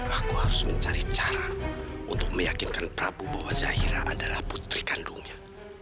aku harus mencari cara untuk meyakinkan prabu bahwa zahira adalah putri kandungnya